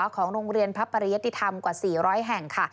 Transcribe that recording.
ของโรงเรียนพระปริยติธรรมกว่า๔๐๐แห่งค่ะ